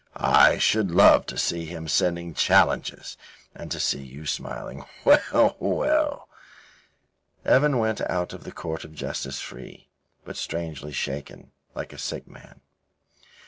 I should love to see him sending you challenges and to see you smiling. Well, well." Evan went out of the Court of Justice free, but strangely shaken, like a sick man.